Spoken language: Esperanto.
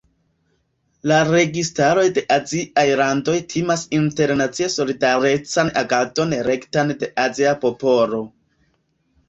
La registaroj de aziaj landoj timas internacie solidarecan agadon rektan de azia popolo.